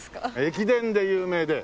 駅伝で有名で。